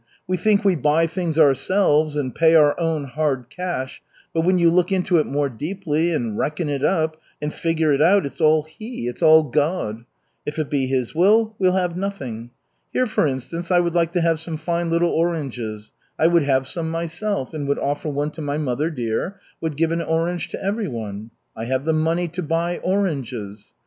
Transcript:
We think we buy things ourselves, and pay our own hard cash, but when you look into it more deeply, and reckon it up, and figure it out, it's all He, it's all God. If it be His will, we'll have nothing. Here, for instance, I would like to have some fine little oranges, I would have some myself, would offer one to my mother dear, would give an orange to everyone. I have the money to buy oranges.